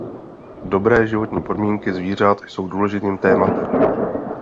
Dobré životní podmínky zvířat jsou důležitým tématem.